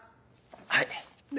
はい。